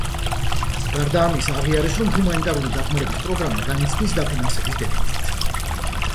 გარდა ამისა, აღიარეს, რომ ჰუმანიტარული დახმარების პროგრამა განიცდის დაფინანსების დეფიციტს.